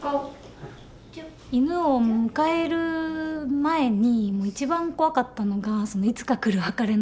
犬を迎える前に一番怖かったのがいつか来る別れのことで。